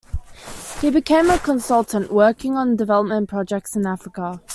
He became a consultant, working on development projects in Africa.